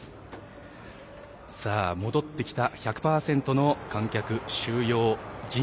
戻ってきた１００％の観客収容人員。